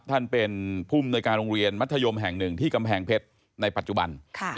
ท่านเป็นผู้มนวยการโรงเรียนมัธยมแห่งหนึ่งที่กำแพงเพชรในปัจจุบัน